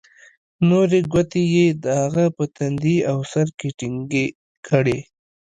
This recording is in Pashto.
نورې گوتې يې د هغه په تندي او سر کښې ټينگې کړې.